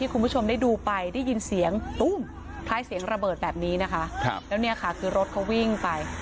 คุณผู้ชมได้ดูไปได้ยินเสียงภายเสียมระเบิดแบบนี้นะคะรถเขาวิ่งไป